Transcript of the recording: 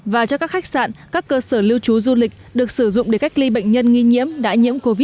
và cho các khách sạn các cơ sở lưu trú du lịch được sử dụng để cách ly bệnh nhân nghi nhiễm đã nhiễm covid một mươi chín